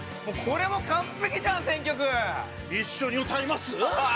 もうこれも完璧じゃん選曲一緒に歌います？